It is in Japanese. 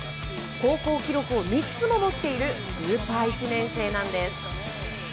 高校記録を３つも持っているスーパー１年生なんです。